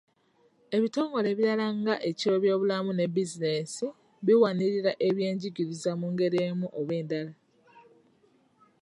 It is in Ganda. Ebitongole ebirala nga eky'ebyobulimi ne bizinensi biwanirira ebyenjigiriza mu ngeri emu oba endala.